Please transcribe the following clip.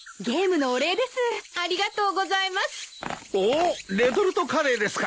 おっレトルトカレーですか。